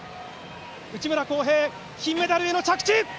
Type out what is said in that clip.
内村航平、金メダルへの着地！